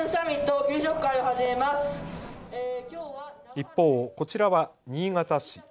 一方、こちらは新潟市。